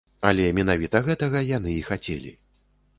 Але менавіта гэтага яны і хацелі!